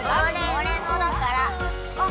俺のだから！